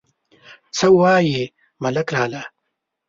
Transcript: _څه وايې ملک لالا ؟